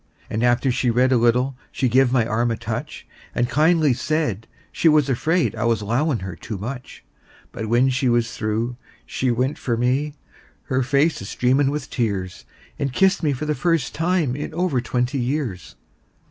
And after she'd read a little she give my arm a touch, And kindly said she was afraid I was 'lowin' her too much; But when she was through she went for me, her face a streamin' with tears, And kissed me for the first time in over twenty years!